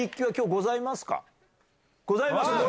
ございますね。